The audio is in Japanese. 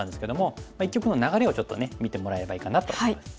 一局の流れをちょっとね見てもらえればいいかなと思います。